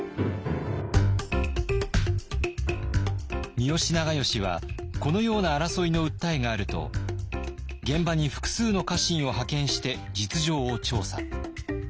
三好長慶はこのような争いの訴えがあると現場に複数の家臣を派遣して実情を調査。